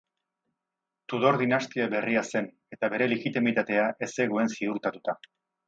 Tudor dinastia berria zen eta bere legitimitatea ez zegoen ziurtatuta.